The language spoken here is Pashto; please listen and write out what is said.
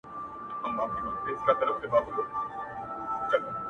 د ُملا په څېر به ژاړو له اسمانه -